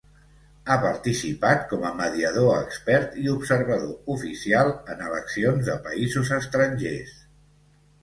Ha participat com a mediador expert i observador oficial en eleccions de països estrangers.